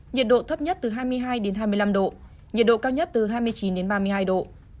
nhiệt độ thấp nhất từ hai mươi hai đến hai mươi năm độ nhiệt độ cao nhất từ hai mươi chín đến ba mươi hai độ